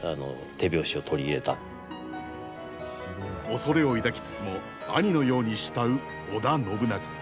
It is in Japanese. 恐れを抱きつつも兄のように慕う織田信長。